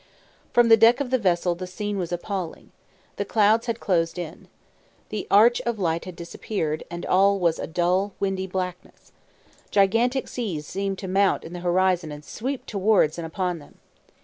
From the deck of the vessel the scene was appalling. The clouds had closed in. The arch of light had disappeared, and all was a dull, windy blackness. Gigantic seas seemed to mount in the horizon and sweep towards and upon them.